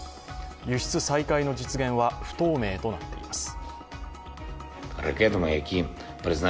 輸出再開の実現は不透明となっています。